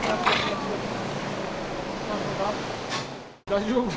大丈夫。